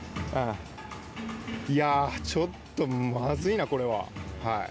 いや、ちょっとマズイな、これは。